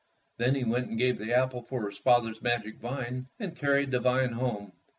Then he went and gave the apple for his father's magic vine, and carried the vine home.